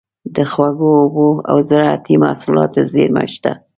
د خوږو اوبو او زارعتي محصولاتو زیرمې شته.